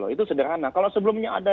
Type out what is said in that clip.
itu sederhana kalau sebelumnya ada